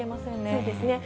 そうですね。